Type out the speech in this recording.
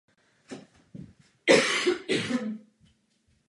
Z hřebenu středové části střechy vybíhá štíhlá čtverhranná věž zakončená křížem.